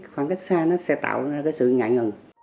khoảng cách xa nó sẽ tạo ra cái sự ngại ngần